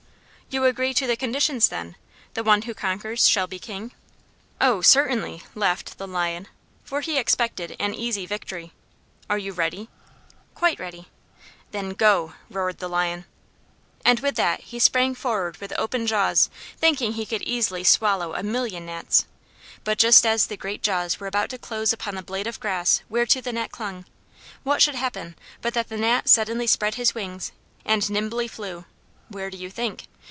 "You agree to the conditions, then? The one who conquers shall be King?" "Oh, certainly," laughed the Lion, for he expected an easy victory. "Are you ready?" "Quite ready." "Then GO!" roared the Lion. And with that he sprang forward with open jaws, thinking he could easily swallow a million gnats. But just as the great jaws were about to close upon the blade of grass whereto the Gnat clung, what should happen but that the Gnat suddenly spread his wings and nimbly flew where do you think?